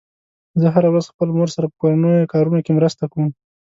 زه هره ورځ خپلې مور سره په کورنیو کارونو کې مرسته کوم